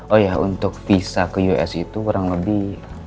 oh ya untuk visa ke us itu kurang lebih